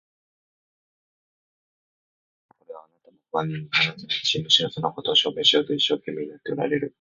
私の立場がきわめて不安定であるということ、これはあなたも否定なさらないし、むしろそのことを証明しようと一生懸命になっておられる。